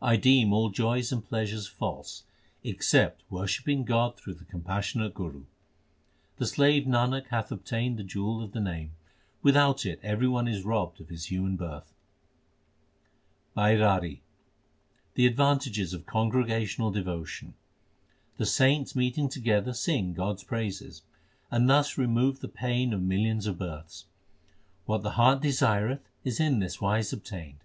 1 deem all joys and pleasures false except worshipping God through the compassionate Guru. The slave Nanak hath obtained the jewel of the Name, without it everybody is robbed of his human birth. BAIRARI The advantage of congregational devotion : The saints meeting together sing God s praises, And thus remove the pain of millions of births. What the heart desireth is in this wise obtained.